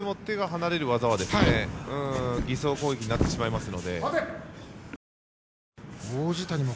どうしても手が離れる技は偽装攻撃になってしまいますので。